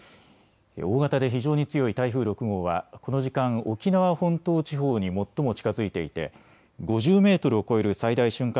大型で非常に強い台風６号はこの時間、沖縄本島地方に最も近づいていて５０メートルを超える最大瞬間